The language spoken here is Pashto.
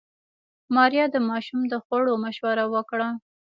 ماريا د ماشوم د خوړو مشوره ورکړه.